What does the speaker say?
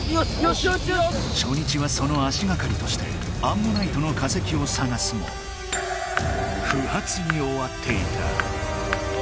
しょ日はその足がかりとしてアンモナイトの化石を探すも不発におわっていた。